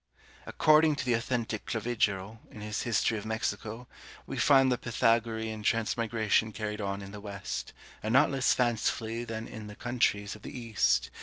According to the authentic Clavigero, in his history of Mexico, we find the Pythagorean transmigration carried on in the West, and not less fancifully than in the countries of the East.